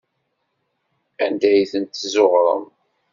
Anda ay ten-tezzuɣrem?